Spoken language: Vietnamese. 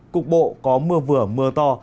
cục bộ có mưa vừa mưa to